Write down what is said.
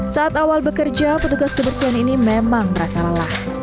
saat awal bekerja petugas kebersihan ini memang merasa lelah